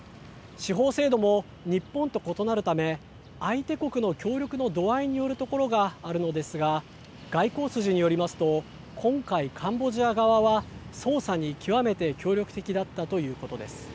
司法制度も、日本と異なるため、相手国の協力の度合いによるところがあるのですが、外交筋によりますと、今回、カンボジア側は捜査に極めて協力的だったということです。